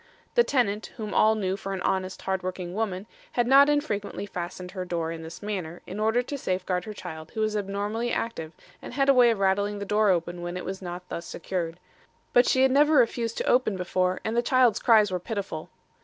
"'The tenant whom all knew for an honest, hard working woman, had not infrequently fastened her door in this manner, in order to safeguard her child who was abnormally active and had a way of rattling the door open when it was not thus secured. But she had never refused to open before, and the child's cries were pitiful.